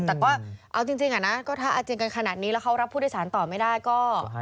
แต่ก็เอาจริงนะก็ถ้าอาเจียนกันขนาดนี้แล้วเขารับผู้โดยสารต่อไม่ได้ก็